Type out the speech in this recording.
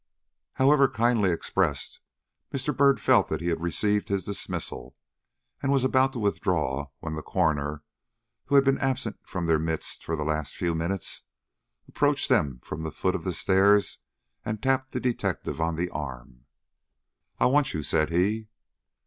However kindly expressed, Mr. Byrd felt that he had received his dismissal, and was about to withdraw, when the coroner, who had been absent from their midst for the last few minutes, approached them from the foot of the stairs, and tapped the detective on the arm. "I want you," said he.